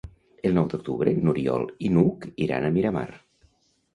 El nou d'octubre n'Oriol i n'Hug iran a Miramar.